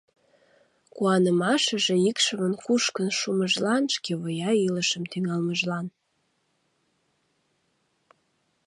Куанымашыже икшывын кушкын шумыжлан, шкевуя илышым тӱҥалмыжлан.